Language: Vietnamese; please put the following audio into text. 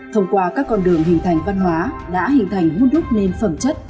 thông qua các con đường hình thành văn hóa đã hình thành hôn đúc nền phẩm chất